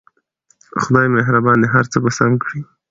خدای مهربان دی هر څه به سم کړي